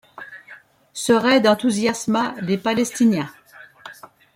Ce raid enthousiasma les Palestiniens.